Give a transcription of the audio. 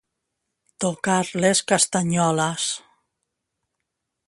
Tocar les castanyoles.